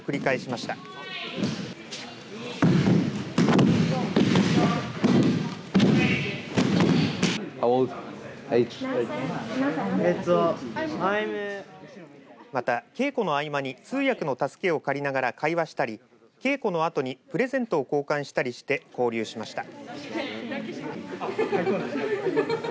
また、稽古の合間に通訳の助けを借りながら会話したり稽古のあとにプレゼントを交換したりして交流しました。